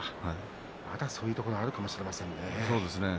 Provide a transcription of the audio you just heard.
そういうところがあるかもしれませんね。